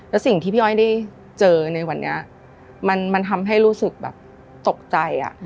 แล้วสิ่งที่พี่อ้อยได้เจอในวันนี้มันทำให้รู้สึกแบบตกใจ